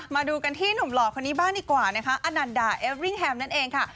มาดูกันที่หนุ่มหล่อคนนี้บ้างดีกว่านะคะอนันดาเอริ่งแฮมนั่นเองค่ะ